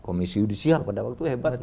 komisi yudisial pada waktu itu hebat